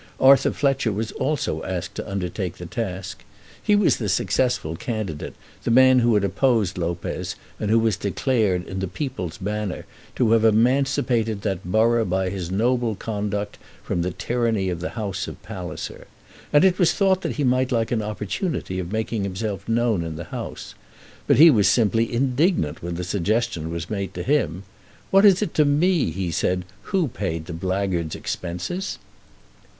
Arthur Fletcher was also asked to undertake the task. He was the successful candidate, the man who had opposed Lopez, and who was declared in the "People's Banner" to have emancipated that borough by his noble conduct from the tyranny of the House of Palliser. And it was thought that he might like an opportunity of making himself known in the House. But he was simply indignant when the suggestion was made to him. "What is it to me," he said, "who paid the blackguard's expenses?"